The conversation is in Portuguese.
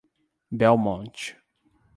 Belmonte